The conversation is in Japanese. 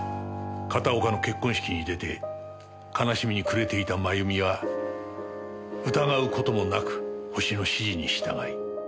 片岡の結婚式に出て悲しみに暮れていたまゆみは疑う事もなくホシの指示に従い。